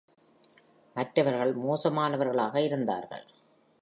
மற்றவர்கள் மோசமானவர்களாக இருந்தார்கள்.